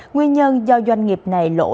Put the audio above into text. nguyên nhân do doanh nghiệp này lộn xa